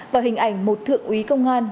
và hình ảnh một thượng úy công an